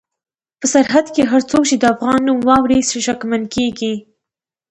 په سرحد کې هر څوک چې د افغان نوم واوري شکمن کېږي.